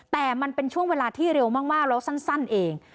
แต่มันเป็นช่วงเวลาที่เร็วมากแล้วสั้นเอง